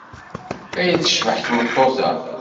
Ay tecbeḥ tmeṭṭut-a!